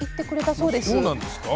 そうなんですか？